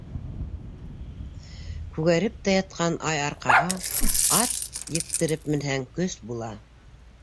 Күгәреп тә яткан, ай, арҡаға Ат ектереп менһәң, көс була.